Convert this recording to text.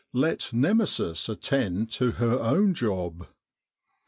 Let Nemesis attend to her own job.